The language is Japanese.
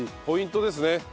ポイントですね。